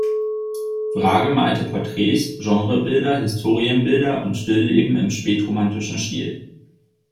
Wrage malte Porträts, Genrebilder, Historienbilder und Stillleben im spätromantischen Stil.